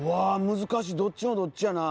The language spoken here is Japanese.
難しいどっちもどっちやなあ。